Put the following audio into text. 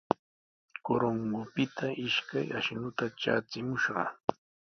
Corongopita ishkay ashnuta traachimushqa.